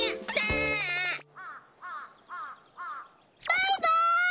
バイバイ！